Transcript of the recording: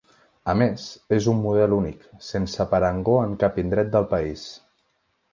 A més, és un model únic, sense parangó en cap indret del país.